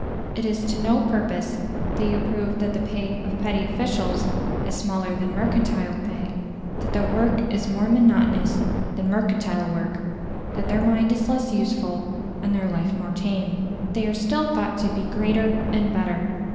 It is to no purpose that you prove that the pay of petty officials is smaller than mercantile pay; that their work is more monotonous than mercantile work; that their mind is less useful and their life more tame. They are still thought to be greater and better.